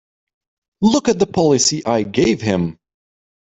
Look at the policy I gave him!